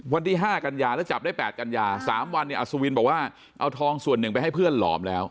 วันที่๕กันยาแล้วจับได้๘กันยา๓วันเนี่ยอัศวินบอกว่าเอาทองส่วนหนึ่งไปให้เพื่อนหลอมแล้ว